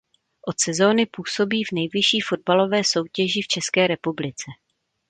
Od sezóny působí v nejvyšší fotbalové soutěži v České republice.